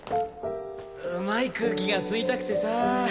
うまい空気が吸いたくてさ。